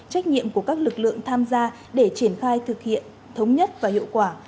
trách nhiệm của các lực lượng tham gia để triển khai thực hiện thống nhất và hiệu quả